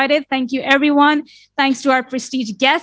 terima kasih kepada para pelanggan prestij kami